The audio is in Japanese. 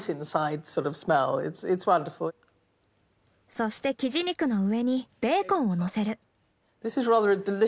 そしてキジ肉の上にベーコンをのせる。